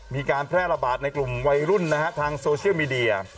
มีการแพร่ระบาดในกลุ่มวัยรุ่นนะฮะทางโซเชียลมีเดีย